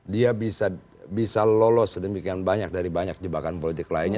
dia bisa lolos sedemikian banyak dari banyak jebakan politik lainnya